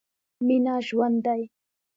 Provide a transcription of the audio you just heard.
مينه ژوند دی.